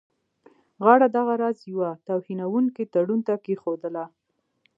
غاړه دغه راز یوه توهینونکي تړون ته کښېښودله.